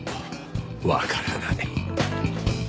わからない。